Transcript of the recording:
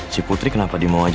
si putri kenapa dia mau maju